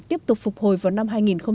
tiếp tục phục hồi vào năm hai nghìn hai mươi